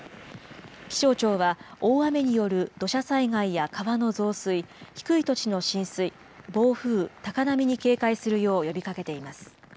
気象庁は大雨による土砂災害や川の増水、低い土地の浸水、暴風、高波に警戒するよう呼びかけています。